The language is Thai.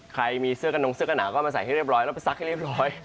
ใครมีเสื้อกระนงเสื้อกระหนาวก็มาใส่ให้เรียบร้อยแล้วไปซักให้เรียบร้อย